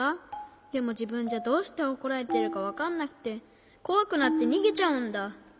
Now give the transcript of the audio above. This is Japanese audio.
でもじぶんじゃどうしておこられてるかわかんなくてこわくなってにげちゃうんだ。